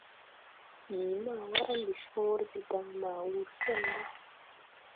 Yii ma waara de cõõre de dan ma wur sen la.